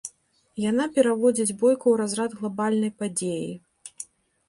Яна пераводзіць бойку ў разрад глабальнай падзеі.